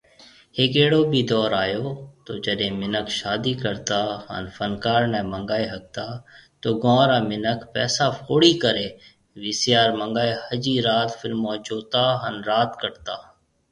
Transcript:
هيڪ اهڙو بِي دئور آيو تو جڏي منک شادي ڪرتا هان فنڪار ني منگائي ۿگتا تو گون را منک پئسا فوڙي ڪري وي سي آر منگائي ۿجي رات فلمون جوتا هان رات ڪٽتا۔